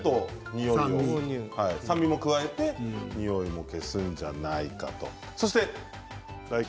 酸味を加えてにおいを消すんじゃないかと。